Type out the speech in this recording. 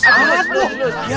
aku harus penuh